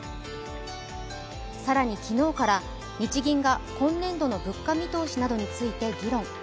更に昨日から日銀が今年度の物価見通しなどについて議論。